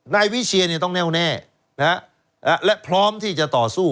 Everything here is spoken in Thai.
นายวิเชียเนี่ยต้องแน่วแน่และพร้อมที่จะต่อสู้